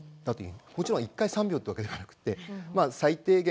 もちろん１回３秒というわけではなくて最低限